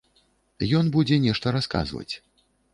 Ён будзе нешта расказваць.